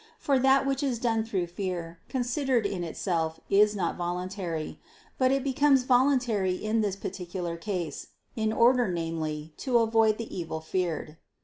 For that which is done through fear, considered in itself, is not voluntary; but it becomes voluntary in this particular case, in order, namely, to avoid the evil feared.